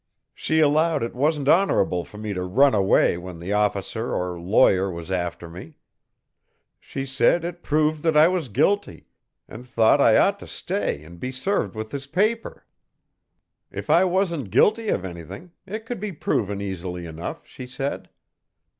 "She allowed it wasn't honorable for me to run away when the officer or lawyer was after me. She said it proved that I was guilty, and thought I ought to stay and be served with his paper. If I wasn't guilty of anything, it could be proven easily enough, she said.